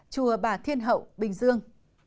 chùa bà thiên hậu bình dương